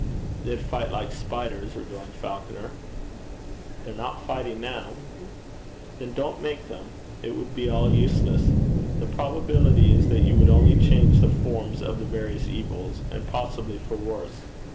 'They'd fight like spiders,' rejoined Falconer. 'They're not fighting now.' 'Then don't make them. It would be all useless. The probability is that you would only change the forms of the various evils, and possibly for worse.